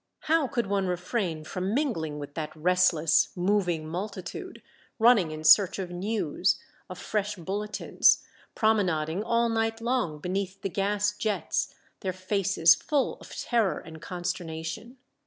How could one refrain from mingling with that restless, moving multitude, run ning in search of news, of fresh bulletins, prome nading all night long beneath the gas jets, their faces full of terror and consternation.